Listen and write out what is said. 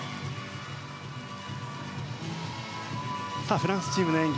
フランスチームの演技